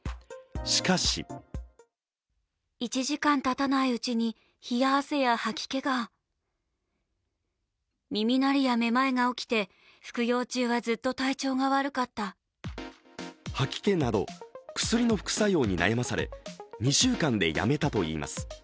しかし吐き気など薬の副作用に悩まされ、２週間でやめたといいます。